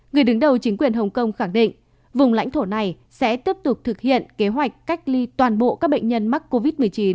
người đứng đầu chính quyền hồng kông khẳng định vùng lãnh thổ này sẽ tiếp tục thực hiện kế hoạch cách ly toàn bộ các bệnh nhân mắc covid một mươi chín